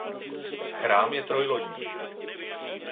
Chrám je trojlodní.